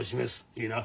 いいな。